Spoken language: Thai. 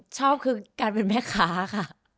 ชอบคือการเป็นแม่ค้าค่ะ